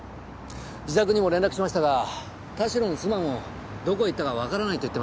自宅にも連絡しましたが田代の妻もどこへ行ったかわからないと言ってます。